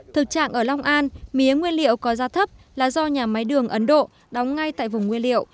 thực trạng ở long an mía nguyên liệu có giá thấp là do nhà máy đường ấn độ đóng ngay tại vùng nguyên liệu